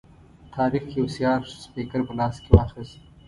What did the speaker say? طارق یو سیار سپیکر په لاس کې واخیست.